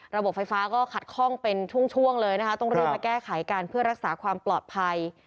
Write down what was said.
ระบบไฟฟ้าก็ขัดข้องเป็นช่วงเลยนะคะต้องรีบมาแก้ไขกันเพื่อรักษาความปลอดภัย